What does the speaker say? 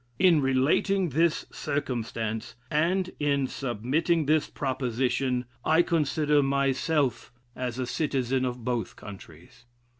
In relating this circumstance, and in submitting this proposition, I consider myself as a citizen of both countries."